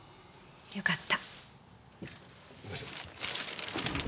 よかった。